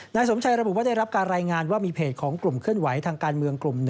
นายสมชัยระบุว่าได้รับการรายงานว่ามีเพจของกลุ่มเคลื่อนไหวทางการเมืองกลุ่ม๑